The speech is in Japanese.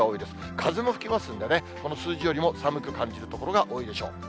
風も吹きますんでね、この数字よりも寒く感じる所が多いでしょう。